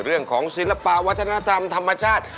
เรื่องของศิลปะวัฒนธรรมธรรมชาติ